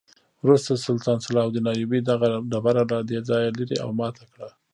وروسته سلطان صلاح الدین ایوبي دغه ډبره له دې ځایه لرې او ماته کړه.